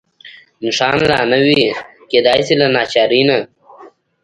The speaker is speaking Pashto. نښان لا نه وي، کېدای شي له ناچارۍ نه.